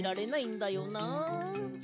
だよな。